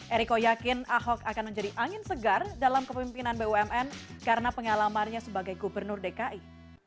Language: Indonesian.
eriko yakin ahok akan menjadi angin segar dalam kepemimpinan bumn karena pengalamannya sebagai gubernur dki